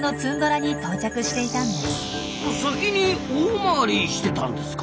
先に大回りしてたんですか。